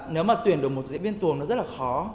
nếu mà tuyển được một diễn viên tuồng nó rất là khó